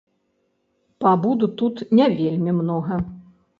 Пабуду тут не вельмі многа.